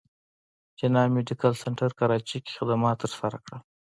جناح ميډيکل سنټر کراچې کښې خدمات تر سره کړل